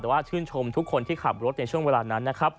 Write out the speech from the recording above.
แต่ว่าชื่นชมทุกคนที่ขับรถในช่วงเวลานั้นนะครับ